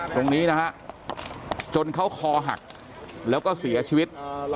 ตรงนี้นะฮะจนเขาคอหักแล้วก็เสียชีวิต